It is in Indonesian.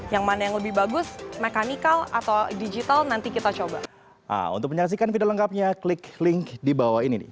yang mana yang lebih bagus mekanikal atau digital nanti kita coba ini